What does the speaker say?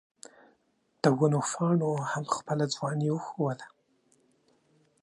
د ونو پاڼو هم خپله ځواني ښووله.